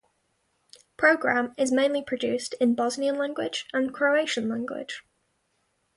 Program is mainly produced in Bosnian language and Croatian language.